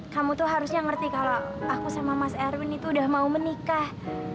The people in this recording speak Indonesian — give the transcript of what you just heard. kamu tuh harusnya ngerti kalau aku sama mas erwin itu udah mau menikah